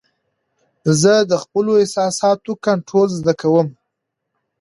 زه د خپلو احساساتو کنټرول زده کوم.